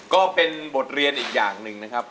ก็เป็นบทเรียนอีกอย่างหนึ่งนะครับ